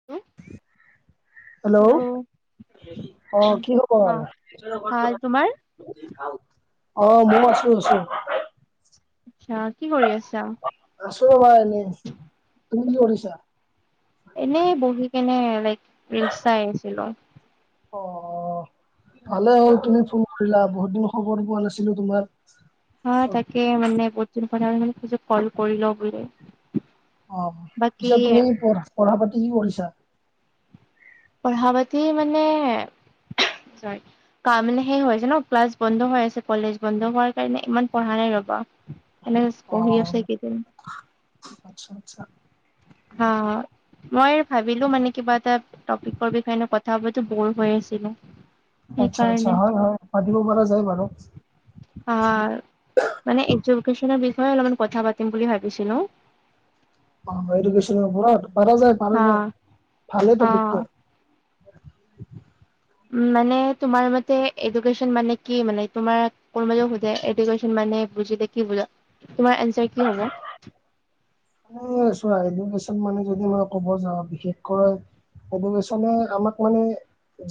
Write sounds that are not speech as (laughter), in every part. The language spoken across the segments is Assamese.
(unintelligible) হেল্ল'! অ, কি অ খবৰ? ভাল বাকী তোমাৰ ভাল? অঁ, মই আাছো, আছো। আচ্ছা। কি কৰি আছা? আছো ৰ'বা এনেই। তুমি কি কৰিছা? এনেই বহি কেনে আৰু, লাইক ৰিলচ চাই আছিলো। অ, ভালেই হ'ল, তুমি ফোন কৰিলা, বহুত দিন খবৰেই পোৱা নাছিলো তোমাৰ। হয়, তাকে, মানে বহুত দিন কথা পতা নাই, ভাবিছোঁ কল কৰি ল‌ওঁ বুলি। অঁ, বাকী পিছে তুমি পঢ়া-পঢ়া-পাতি কি কৰিছা? পঢ়া-পাতি মানে (unintelligible) (unintelligible) মানে শেষ হৈছে ন, ক্লাছ বন্ধ হৈ আছে, কলেজ বন্ধ হোৱাৰ কাৰণে ইমান পঢ়া নাই ৰ'বা। এনে কৈছোঁ, অ পঢ়ি আছে এইকেইদিন। আচ্ছা, আচ্ছা। হা! মই ভাবিলো মানে কিবা এটা টপিকৰ বিষয়ে এনেই কথা পাতো, বৰ হৈ আছিলো। আচ্ছা, আচ্ছা। সেইকাৰণে হয়, হয়, পাতিব পৰা যায় বাৰু। অঁ, মানে এজুকেশ্বনৰ বিষয়ে অলপমান কথা পাতিম বুলি ভাবিছিলো। অ, এডুকেশ্বনৰ ওপৰত, পাৰা যায়, অ পাৰা যায়, ভালে টপিকটো। উম, মানে তোমাৰ মতে এডুকেশ্যন মানে কি মানে তোমাৰ কোনবাই যদি সুধে এডুকেশ্বন মানে বুজিলে কি বুজা? তোমাৰ এনচাৰ কি হ'ব? মানে চোৱা, এডুকেশ্বন মানে যদি মই ক'ব যাওঁ, বিশেষকৈ এডুকেশ্বনে আমাক মানে,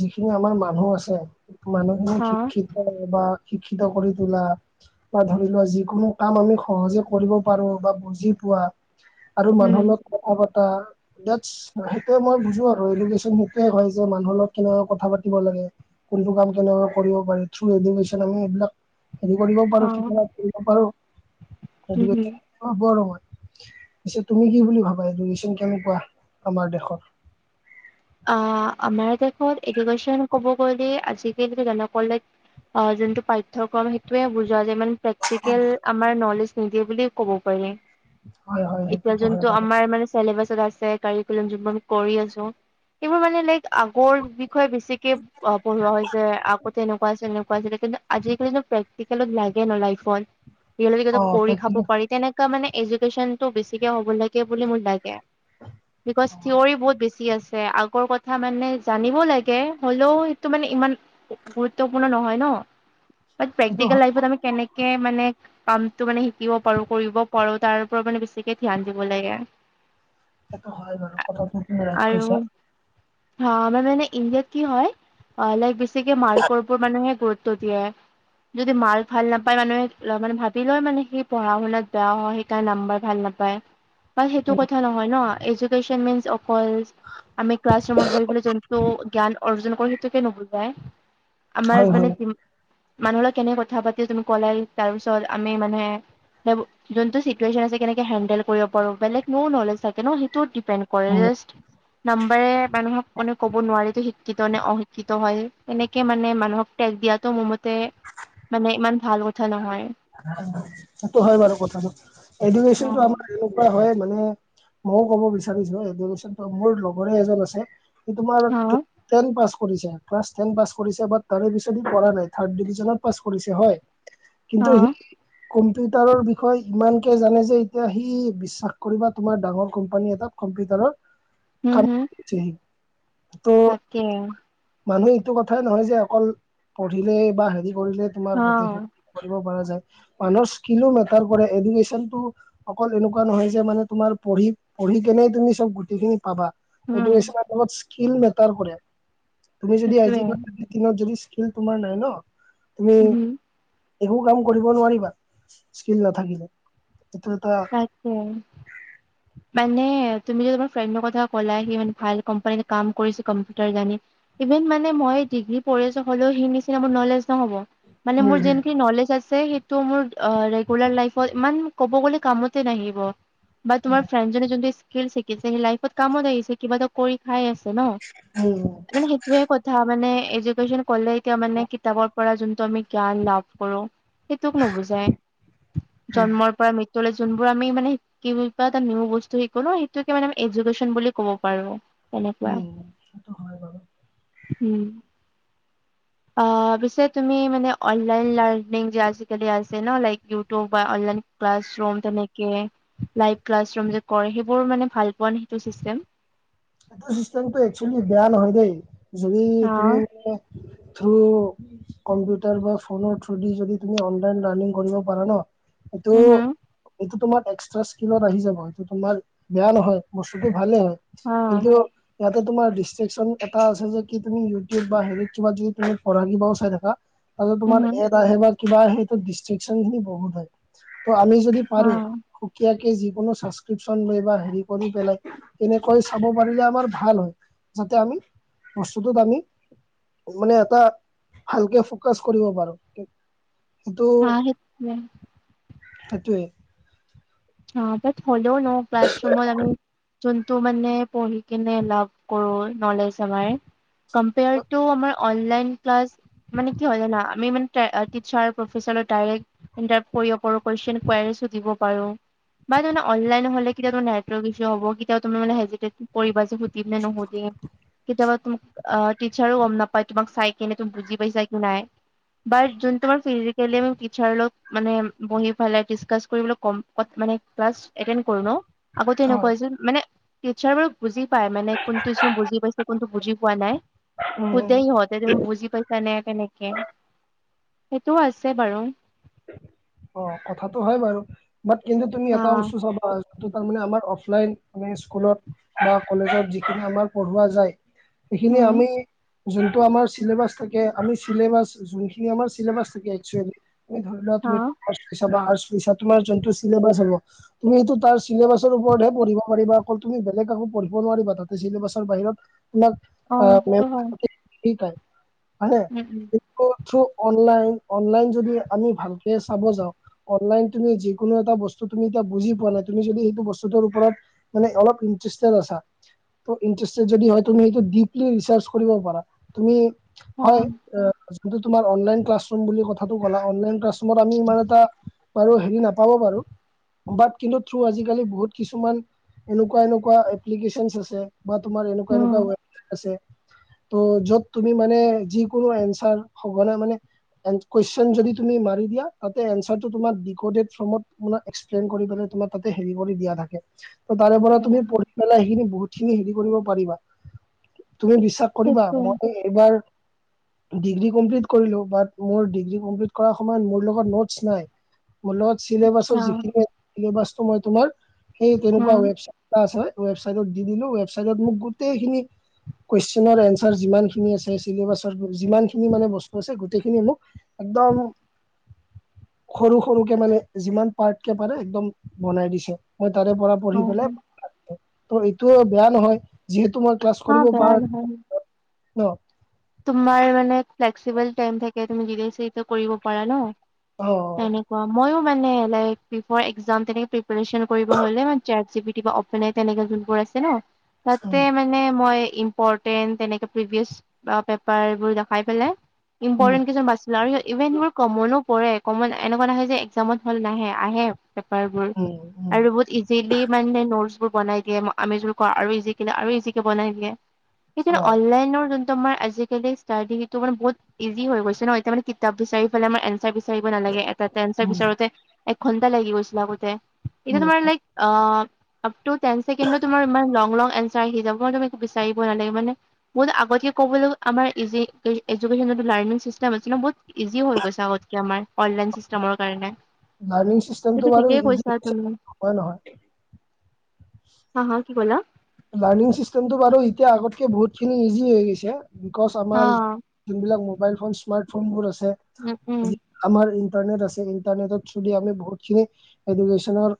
যিখিনি আমাৰ মানুহ আছে মানুহখিনি অ শিক্ষিত বা শিক্ষিত কৰি তোলা বা ধৰি লোৱা যিকোনো কাম আমি সহজে কৰিব পাৰো বা বুজি পোৱা আৰু উম মানুহৰ লগত কথা পতা (unintelligible) সেইটোৱেই মই বুজো আৰু, এডুকেশ্বন সেইটোৱেই হয় যে মানুহৰ লগত কথা পাতিব লাগে। কোনটো কাম কেনেকুৱাকে কৰিব পাৰি, থ এডুকেশ্যন আমি এইবিলাক হেৰি অ কৰিব উম হম পাৰো, (unintelligible) পিছে তুমি কি বুলি ভাবা, এডুকেশচন কেনেকুৱা আমাৰ দেশত? অঁ আমাৰ দেশত এডুকেশ্যন ক'ব গ'লে আজিকালি (unintelligible) নক'লে অ যোনটো পাঠ্যক্ৰম সেইটোৱেই বুজোৱা যায় মানে প্ৰেক্টিকেল আমাৰ নলেজ নিদিয়ে বুলি ক'ব পাৰি। হয় হয় এতিয়া সেইটোতো হয় যোনটো বাৰু আমাৰ মানে চেলেবাছত আছে কাৰিকোলাম যোনবোৰ আমি কৰি আছোঁ। এইবোৰ মানে লাইক আগৰ বিষয়ে বেছিকে অ পঢ়োৱা হৈছে আগতে এনেকুৱা আছিল এনেকুৱা আছিলে কিন্তু আজিকালিতো প্ৰেক্টিকেলত লাগে ন লাইফত। অ (unintelligible) (unintelligible) কৰি খাব প্ৰেক্টিকেল পাৰি। তেনেকুৱা মানে এডুকেশ্যন টো বেছিকে হ'ব লাগে বুলি মোৰ লাগে। বিকজ থিয়ৰী বহুত বেছি আছে। আগৰ কথা কথা মানে জানিব লাগে। হ'লেও তো মানে ইমান গুৰুত্বপূৰ্ণ নহয় ন। বাট সেইটো প্ৰেক্টিকেল হয় লাইফত আমি কেনে কে মানে কামটো মানে শিকিব পাৰোঁ কৰিব পাৰোঁ তাৰ ওপৰত মানে বেছিকে ধ্যান দিব লাগে আৰ। (unintelligible) সেইটো হয় বাৰু কথাটো তুমি ৰাইট আৰু কৈছা। হা আমাৰ মানে ইণ্ডিয়াত কি হয়, এলাইফ বে ছিকে মাৰ্কৰ ওপৰত মানুহে গুৰুত্ব দিয়ে। যদি মাৰ্ক ভাল নাপায় মানুহে ল' মানে ভাবি লয় মানে সি পঢ়া শুনাত বেয়া হয় সেইকাৰণে নাম্বাৰ ভাল নাপায়। বাট সেইটো উম কথা নহয় ন। এডুকেছন মিনচ অকল আমি ক্লাছ ৰুমত বহি পেলাই যোনটো জ্ঞান অৰ্জন কৰোঁ সেইটোকে নুবুজাই। আমাৰ হয় মানে হয় দিম মানুহৰ লগত কেনে কথা পাতে তুমি কলাই তাৰপিছত আমি মানে যে যোনটো চিটোৱেনছে কেনেকে হেল্ড কৰিব পাৰোঁ। বেলেগবোৰো নলেজ থাকে ন, সেইটো ডিপেন কৰে। উম যাষ্ট নাম্বাৰে মানুহক কোনোৱে ক'ব নোৱাৰি শিক্ষিত নে অশিক্ষিত হয়। সেনেকে মানে মানুহক তেক দিয়াতো মোৰ মতে মানে ইমান ভালো সেইটো হয় বাৰু কথাটো। এডোকেশ্যনটো অ', আমাৰ কেনে কুৱা হয় মানে মইও ক'ব বিচাৰিছো এডুকেশ্বনটো। মোৰ লগৰে এজন আছে। সি তোমাৰ অ', (unintelligible) টেন পাছ কৰিছে। ক্লাছ তেন পাছ কৰিছে, বাত তাৰে পিছত হি পঢ়া নাই থাৰট ডিভিজনত পাছ কৰিছে হয়। কিন্তু সি কম্পিউটাৰৰ বিষয়ে ইমানকে জানে যে এতিয়া সি বিশ্বাস কৰিবা তোমাৰ ডাঙৰ কোম্পানী এটাত কম্পিউটাৰৰ (unintelligible) (unintelligible) ত' তাকে। মানুহে এইটো কথাই নহয় যে অকল পঢ়িলে বা হেৰি কৰিলে তোমাৰ গোটেইখিনি অ', কৰিব পৰা যায়। মানুহৰ স্কিলো মেটাৰ কৰে। এডুকেশ্বনটো অকল এনেকুৱা নহয় যে মানে তোমাৰ পঢ়ি-পঢ়ি কেনে তুমি চব গোটেই খিনি পাবা। উম, এডোকেশ্বনৰ লগত স্কিল মেটাৰ কৰে। তুমি যদি সেইটোৱে আজিৰ পা দিনত যদি স্কিল তোমাৰ নাই ন। তুমি উম, একো কাম কৰিব নোৱাৰিবা, স্কিল নাথাকিলে। এইটো এটা উম। মানে তুমি যে তোমাৰ ফ্ৰেণ্ডৰ কথা কলা সি মানে ভাল কোম্পানী কাম কৰিছে কম্পিউটাৰ জানি। ইভেন মানে মই ডিগ্ৰী পঢ়ি আছোঁ হ'লেও সেই নিচিনা মোৰ নলেজ নহ'ব। মানে উম মোৰ যোনখিনি নলেজ আছে, সেইটো মোৰ অ ৰেগোলাৰ লাইফত ইমান ক'ব গ'লে কামতে নাহিব। বা উম তোমাৰ উম ফেণ্ড জনে যদি স্কিল শ পিছে সেই লাইফত কামত আহিছে, কিবা এটা কৰি খাই আছে ন'। উম। কাৰণ সেইটোয়ে কথা মানে এডুকেশ্যন ক'লে এতিয়া মানে কিতাপৰ পৰা যোনটো আমি জ্ঞান লাভ কৰোঁ সেইটোক নুবুজাই, উম জন্মৰ পৰা মৃত্যুলৈ যোনবোৰ আমি মানে কিবা এটা নিউ বস্তু শিকো ন, সেইটোকে মানে আমি এজকেশ্যন বুলি ক'ব পাৰোঁ। তেনেকুৱা, উম সেইটো হয় বাৰু উম। অ', পিছে তুমি মানে অনলাইন লাৰ্ণিং যে আজিকালি আছে ন লাইক, ইউটিউব বা অনলাইন ক্লাছ ৰুম, তেনেকে লাইক ক্লাছ ৰুম যে কৈ, সেইবোৰ মানে ভাল পোৱা নে, সেইটো চিষ্টেম? সেইটো চিষ্টেমটো একচুৱেলি বেয়া নহয় দেই, যদি তুমি উম বোলে (inaudible) কম্পিউটাৰ বা ফোনৰ থ্ৰু'দি যদি তুমি অনলাইন লাৰ্ণিং কৰিব পাৰা ন এইটো হম এইটো তোমাৰ এক্সট্ৰা স্কিলত আহি যাব, এইটো তোমাৰ বেয়া নহয়, বস্তুটো ভালে হয়। কিন্তু ইয়াতে তোমাৰ ডিষ্ট্ৰেকশ্যন এটা আছে যে, কি তুমি ইউটিউব বা হেৰিত কিবা যদি তুমি‌ পঢ়া কিবাও চাই থাকা তাৰপিছত উম তোমাৰ হম। এড আহে বা কিবা আহে, ডিচট্ৰেকচন খিনি বহুত ভাল। ত' আমি যদি পাৰো, সুকীয়াকে যি কোনো চাচক্ৰিপচন লৈ বা, হেৰি কৰি পেলাই তেনেকৈ চাব পাৰিলে আমাৰ ভাল হয়, যাতে আমি বস্তুটোত আমি মানে এটা ভালকে ফ'কাচ কৰিব পাৰোঁ। এইটো, হা সেইটোৱে সেইটোৱেই। অ', বাট হ'লেও ন ক্লাছৰুমত আৰু যোন টো মানে পঢ়ি কিনে লাভ কৰো নলেজ আমাৰ, কমপেয়াৰটো আমাৰ অনলাইন ক্লাছ মানে কি হয় জানা, আমি মান টে আহ্ টিচাৰ, প্ৰফেচাৰৰ, ডাইৰেক্ট ইনটাপ পৰিব পাৰো, কুৱেচন কুৱেৰাছো দিব পাৰো। বা তাৰমানে অনলাইন হ'লে কেতিয়াবা নেটৱৰ্ক ইছু হ'ব, কে তিয়াবা তুমি মানে হেজিটেট পৰিবা যে, সুধিম নে নুসুধিম। কেতিয়াবা তোমা অ', টিচাৰো গম নাপায় তোমাক চাই কিনে, তুমি বুজি পাইছা কি নাই। বাট জোনটো আমি ফ্ৰিৰিকেলি টিচাৰ লগত মানে, বহি পেলাই ডিচকাচ কৰিবলে কম ত মানে ক্লাছ এটেণ্ড কৰো ন, আগতে এনেকুৱা হয় হৈছিল মানে টিচাৰবোৰক বুজি পায়, মানে কোনটো ষ্টুডেণ্ট বুজি পাইছে, কোনটো বুজি পোৱা নাই। উম উম, সুধেই হত সেইটো তুমি বুজি পাইছা নে, কেনেকে। সেইটোও আছে বাৰু। অ', কথাাতটো হয় বাৰু। বাট কিন্তু তুমি হা এটা বস্তু চাবা ত' তাৰমানে আমাৰ অফলাইন মানে স্কুলত বা কলেজত যিখিনি আমাৰ পঢ়োৱা যায়। সেইখিনি উম আমি যোনটো আমাৰ চিলেবাছ থাকে, আমি চিলেবাছ যোনখিনি আমাৰ চিলেবাছ থাকে, এক্কচুৱেলী তুমি ধৰি লোৱা হা তুমি, কমাৰ্চ লৈছা বা আটৰ্ছ লৈছা, তোমাৰ যোনটো চিলেবাছ হ'ব তুমি সেইটো তাৰ চিলেবাছৰ ওপৰতহে পঢ়িব পাৰিবা, অকল তুমি বেলেগ একো পঢ়িব নোৱাৰিবা তাতে চিলোছৰ বাহিৰত (inaudible) অ সেইটো হয়। আহে অ', উম উম থ্ৰু অনলাইন, অনলাইন যদি আমি ভালকে চাব যাওঁ অনলাইন তুমি যিকোনো এটা বস্তু তুমি এতিয়া বুজি পোৱা নাই, তুমি যদি সেইটো বস্তুটোৰ ওপৰত মানে অলপ ইন্টেষ্টেড আছা। ত' ইনট্ৰেষ্টেড যদি হয় তুমি, ডিপলি ৰিচাৰ্চ কৰিব পাৰা। তুমি অ হয়, আ জোনটো তোমাৰ অনলাইন ক্লাছ লম বুলি কথাটো কৰা, অনলাইন ক্লাছ তোমাৰ আমি ইমান এটা, বাৰু হেৰি নাপাব পাৰো। বাট কিন্তু থ্ৰু আজিকালি বহুত কিছুমান এনেকুৱা, এনেকুৱা এপ্লিকেশচনচ আছে বা তোমাৰ এনেকুৱা, উম এনেকুৱা ৱেব আছে। ত য'ত তুমি মানে যিকোনো এনচাৰ হঘনাই মানে কুৱেচন যদি তুমি মাৰি দিয়া তাতে এনচাৰটো তোমাৰ দিকডেদ ফ্ৰমত মানে এক্সপ্লেইন কৰি পেলাই মানে তোমাৰ তাতে হেৰি কৰি দিয়া থাকে (unintelligible) ত তাৰে পৰা তুমি উম পঢ়ি পেলাই সেখিনি বহুত খিনি হেৰি কৰিব পাৰিবা। তুমি বিশ্বাস কৰিবা, সেইটো মই এইবাৰ ডিগ্ৰী কমপ্লিট কৰিলো বাত মোৰ ডিগ্ৰী কমপ্লিট কৰা সময়ত মোৰ লগত নোটচ নাই, মোৰ লগত চিলেবাছৰ আচ্ছা যিখিনিয়ে ছিলেবাছটো মই তোমাৰ সেই তেনেকুৱা উম ৱেবছাইট এটা আছে ন, ৱেবচাইটত দি দিলো, ৱেবচাইটত মোক গোটেইখিনি কুৱেশনৰ এনছাৰ যিমানখিনি আছে চেলেবাছৰ যিমানখিনি মানে বস্তু আছে গোটেইখিনি মোক একদম সৰু সৰুকে মানে যিমান পাৰ্টকে পাৰে একদম বনাই দিছে মই তাৰে পৰা অ পঢ়ি পেলাই, ত' এইটো বেয়া নহয়, যিহেতু মই ক্লাছ হা কৰিব বেয়া পাৰি, নহয়। ন তোমাৰ মানে ফ্লেক্সিবল টাইম থাকে তুমি দিনত চিফ্ট ও কৰিব পাৰা ন অ, অ তেনেকুৱা মই মানে ল বিফ একাম তেনেকে প্ৰিপৰিচন কৰিব হলে চেছ জিবিডি অফ য তেনেকে যোনবোৰ আছে ন উম তাতে মানে মই ইম্পৰ্টেণ্ট তেনেকে প্ৰিভিয়চ- বা পেপাৰ এইবোৰ দেখাই পেলাই উম ইম্পৰ্টেন্ট কিছুমান বা ল ইভেন এইবোৰ কমনো পৰে কমন এনেকুৱা নাহে যে একজামত হল নাহে আহে। পেপাৰ বোৰ উম, উম, আৰু বহুত ইজি চিলি মানে নোলছ বোৰ বনাই দিয়ে আমিজোৰ কৰা আৰু ইজিক আৰু ইজিকে বনাই দিয়ে। সেইকাৰনে অ', অনলাইনৰ যোনটো তোমাৰ আজিকালি ষ্টাৰ টিভিটো মানে বহুত ইজি হৈ গৈছে ন এতিয়া মানে কিতাপ বিচাৰি ফেলে আমাৰ এন বিচাৰিব নালাগে এটা এঞ্চাৰ উম, বিচাৰোতে এক ঘণ্টা লাগি গৈছিল আগতে এতিয়া উম, তোমাৰ লাইক অপ অফটো টেন ছেকেণ্ডত তোমাৰ ইমান লং লং এনচাৰ চাৰ আহি যাব তুমি একো বিচাৰিব নালাগে মানে বহুথত আগতে ক'বলৈ আমাৰ ইজি এযোকেচনটো লাৰ্ণিং চিষ্টেম আছিল ন বহুত ইজি হল গৈছে আগতকে আমাৰ অনলাইন চিষ্টেমৰ কাৰণে লাৰ্নিং সেইটো চিষ্টেমটো বাৰু ঠিকেই ইজি কৈছা হৈছে তুমি নোহোৱা নহয়। হা হা কি ক'লা লাৰ্ণিং চিষ্টেমটো বাৰু এতিয়া আগতকে বহুতখিনি ইজি হৈ গৈছে বিকজ অ আমাৰ যোনবিলাক মোবাইল ফোন স্মাৰ্টফোনবোৰ আছে। উম উম, যি- আমাৰ ইণ্টাৰনেট, আছে ইণ্টাৰনেটৰ থ্ৰই দি আমি বহুতখিনি এডুকেশ্যনৰ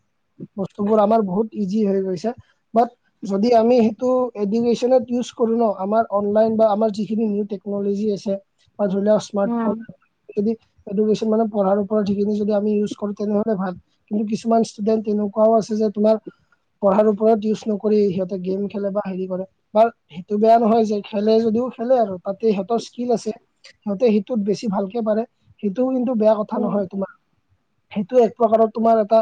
বস্তুবোৰ আমাৰ বহুত ইজি হৈ গৈছে। বাট যদি আমি সেইটো এডুনেশন্যত ইউচ কৰো আমাৰ অনলাইন বা আমাৰ যিখিনি নিউ টেকন'লজী আছে। বা ধৰি লোৱা স্মাৰ্ট উম ফোন যদি এডকেশ্যন মানে পঢ়াৰ ওপৰতসেইখিনি যদি আমি ইউজ কৰো তেনেহলে ভাল। কিন্তু কিছুমান ষ্টুডেন্ট এনেকুৱাও আছে। যে তোমাৰ পঢ়াৰ ওপৰত ইউজ নকৰি কৰি সিহঁতে গেম খেলে বা হেৰি কৰে। বাৰ সেইটো বেয়া নহয় যে খেলে যদিও খেলে আৰু তাতে সিহঁতৰ স্কিল আছে। সিহঁতে সেইটোত বেছি ভালকে পাৰে সেইটোও কিন্তু বেয়া কথা উম নহয় তোমাৰ সেইটো এক প্ৰকাৰৰ তুমাৰ এটা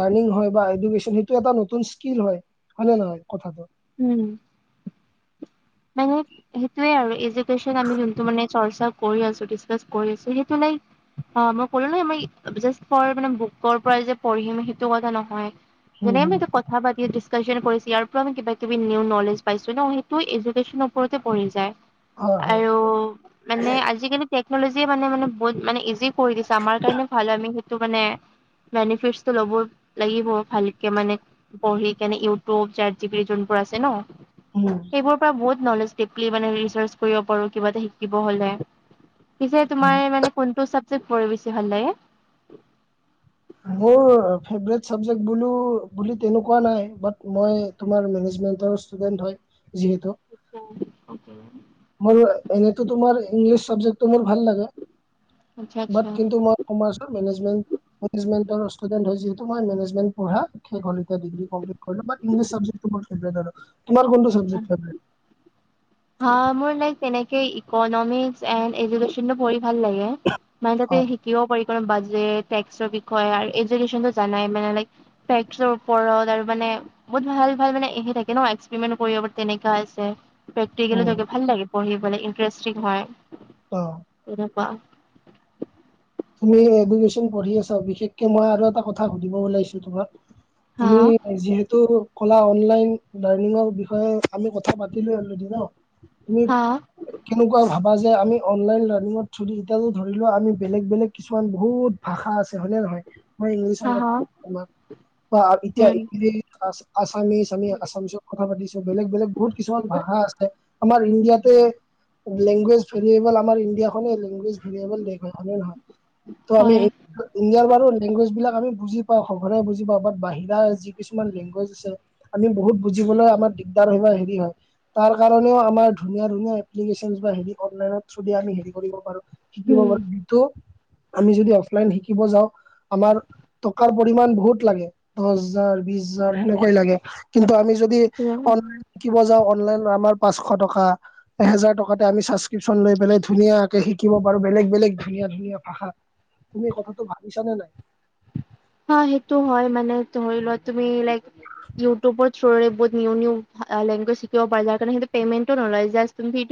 লাৰ্ণিং, হয় বা এডকেন সেইটো এটা নতুন স্কিল হয়। হয়নে নহয় কথাটো। উম, মানে- সেইটোৱে আৰু এডুকেছন আমি যোনটো মানে চৰ্চা কৰি আছো কৰি ডিছকাচ কৰি আছো সেইটো লাইক অঁ' মই কলোঁ নহয় মই যাচ ফৰ মানে বুকৰ পৰাই যে পঢ়িম সেইটো কথা নহয়। হুম যেনেকৈ আমি হুম এতিয়া কথা পাতি ডিছকাশ্যন কৰিছ ইয়াৰ পৰা আমি কিবা কিবি নিউ নলেজ পাইছো ন' সেইটো এডু- কেচনৰ ওপৰতে প়ৰি যায়। হয় হয় আৰু মানে আজিকালি টেকন'লজিয়ে মানে মানে বহুত মানে ইজি কৰি দিছে, আমাৰ কাৰণে ভাল হয়। আমি তো কাৰণে বেনিফিটটো ল'ব লাগিব ভালকে মানে- বঢ়ি কেনে ইউটিউব, চাট জিবিডি যোনবোৰ আছে ন'। উমঁ'। সেইবোৰৰ পৰা বহুত নলেজ (unintelligible) মানে ৰিচাৰ্চ কৰিব পাৰোঁ কিবা এটা শিকিব হ'লে। পিছে উম। তোমাৰ মানে কোনটো চাবজেক্ট পঢ়ি বেছি ভাল লাগে? মোৰ ফেভৰেট চাবজেক্ বোলো বুলি তেনেকুৱা নাই বাট মই- তোমাৰ মেনেজমেন্টৰ ষ্টুডেন্ট হয় যিহেতু। (unintelligible) মোৰ এনেতো তোমাৰ ইংলিছ চাবজেক্টো মোৰ ভাল লাগে আচ্ছা আচ্ছা। বাট কিন্তু মই- কমাৰ্চৰ মেনেজমেণ্ট, মেনেজমেণ্টৰ ষ্টুডেণ্ট হয় যিহেতু মই মেনেজমেণ্ট পঢ়া। (unintelligible) ডিগ্ৰী কমপ্লিট কৰিলোঁ বাট ইংলিছ চাবজেক্টটো মোৰ ফেবেৰেট আৰু তোমাৰ কোনোটো চাবজেক্ট ফেবেৰেট? মোৰ লাই তেনেকে ইকনমিকচ এন এডোকেশ্যনটো পঢ়ি ভাল লাগে।। মানে অ তাতে শিকিব পাৰি (unintelligible) বাজেৰ টেক্সৰ বিষয় আৰু এডোকেশ্যনটো জানাই মানে লাইক- ফেক্টৰ ওপৰত আৰু মানে- বহুত ভাল ভাল মানে সেই থাকে ন' এক্সপেৰিমেণ্ট কৰিব পাৰি তেনেকা আছে। প্ৰেক্টিকেলো উম, থাকে ভাল লাগে পঢ়িবলে ইণ্টাৰেষ্টিং হয় অ তেনেকুৱা। তুমি এডোকেশ্যনটো পঢ়ি আছা বিশেষকে মই আৰু এটা কথা সুধিব ওলাইছোঁ তোমাক। হা তুমি যিহেতু- ক'লা অনলাইন লাৰ্ণিঙৰ বিষয়ে আমি কথা পাতিলোঁয়ে অলৰেডি ন' তুমি- হা কেনেকুৱা ভাবা যে আমি অনলাইন লাৰ্ণিঙত থ্ৰুদি এতিয়া যদি ধৰি লোৱা আমি বেলেগ বেলেগ- কিছুমান বহুত ভাষা আছে, হয় নে নহয়। মই ইংলিছৰ হা হা কথা তোমাক বা উম। এতিয়া (unintelligible) আছামিচ আমি আছামিছত কথা পাতিছোঁ বেলেগ বেলেগ বহুত কিছুমান ভাষা আছে। আমাৰ ইণ্ডিয়াতে- লেংগুৱেজ ভেৰিয়েবল আমাৰ ইণ্ডিয়াখনেই লেংগুৱেজ ভেৰিয়েবল দেশ, হয় নে নহয়। ত' আমি- হয়। ইণ্ডিয়াৰ বাৰু লেংগুৱেজ বিলাক আমি বুজি পাওঁ শঘনে বুজি পাওঁ বাঠ বাহিৰা যি কিছুমান লেংগুৱেজ আছে- আমি বহুত বুজিবলৈ আমাৰ দিগদাৰ হয় হেৰি হয়। তাৰ কাৰণেও আমাৰ ধুনীয়া ধুনীয়া এপ্লিকেশন বা হেৰি অনলাইনৰ থ্ৰুদি আমি হেৰি কৰিব পাৰোঁ- শিকিব উম, পাৰোঁ সেইটো। আমি যদি অফলাইন শিকিব যাওঁ আমাৰ- টকাৰ পৰিমাণ বহুত লাগে দচ হাজাৰ, বিশ হাজাৰ সেনেকাই লাগে কিন্তু আমি য যদি সেইটোৱে। অনলাইন শিকিব যাওঁ অনলাইন আমাৰ পাচশ টকা, এহেজাৰ টকাতে আমি- টিউশ্যন লৈ পেলাই ধুনীয়াকে শিকিব পাৰোঁ বেলেগ বেলেগ ধুনীয়া ধুনীয়া- ভাষা। তুমি এই কথাটো ভাবিছানে নাই? অঁ' সেইটো হয় মানে ধৰি লোৱা তুমি লাইক ইউটিউবত- বহুত নিউ নিউ লেংগুৱেজ শিকিব পাৰি যাৰ কাৰণে সেইটো পেমেন্টো নলয় জাষ্ট তুমি ভিডিঅ-